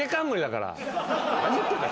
何言ってんだ。